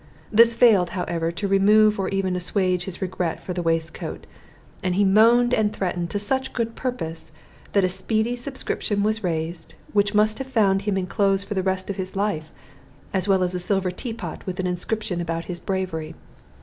This failed, however, to remove or even assuage his regret for the waistcoat; and he moaned and threatened to such good purpose that a speedy subscription was raised, which must have found him in clothes for the rest of his life, as well as a silver tea pot with an inscription about his bravery.